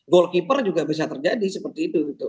goalkeeper juga bisa terjadi seperti itu gitu